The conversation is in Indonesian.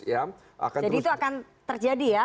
jadi itu akan terjadi ya